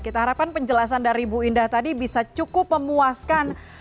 kita harapkan penjelasan dari bu indah tadi bisa cukup memuaskan